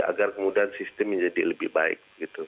agar kemudian sistem menjadi lebih baik